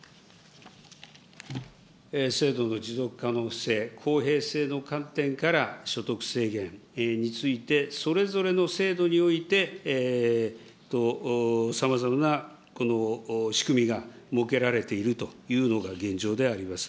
制度の持続可能性、公平性の観点から、所得制限について、それぞれの制度において、さまざまなこの仕組みが設けられているというのが現状であります。